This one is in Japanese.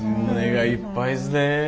胸がいっぱいですね。